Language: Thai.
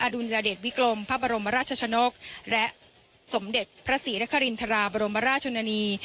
ดุลยเดชวิกรมพระบรมราชชนกและสมเด็จพระศรีนครินทราบรมราชชนนี